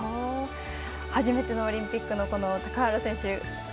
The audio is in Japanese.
初めてのオリンピックの高原選手。